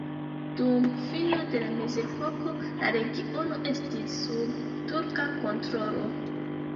Dum fino de la mezepoko la regiono estis sub turka kontrolo.